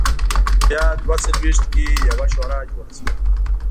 په ویا دوه څلوېښت کې یوه شورا جوړه شوه.